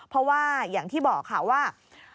เพราะว่าอย่างที่บอกค่ะว่า